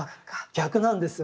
逆なんです。